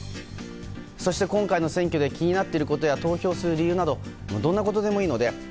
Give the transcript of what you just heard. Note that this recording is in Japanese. そして今回の選挙で気になっていることや投票する理由などどんなことでもいいので「＃